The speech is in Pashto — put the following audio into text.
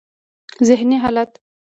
ذهني حالت: